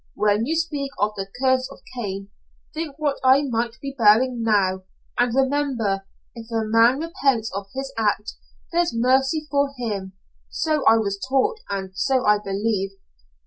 When you speak of the 'Curse of Cain,' think what I might be bearing now, and remember, if a man repents of his act, there's mercy for him. So I was taught, and so I believe.